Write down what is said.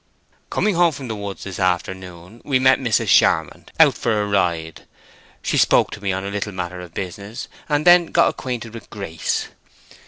"Coming home from the woods this afternoon we met Mrs. Charmond out for a ride. She spoke to me on a little matter of business, and then got acquainted with Grace.